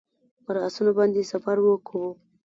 پر آسونو باندې سفر وکړو.